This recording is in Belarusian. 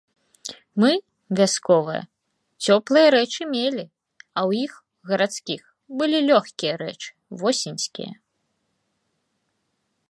Мы, вясковыя, цёплыя рэчы мелі, а ў іх, гарадскіх, былі лёгкія рэчы, восеньскія.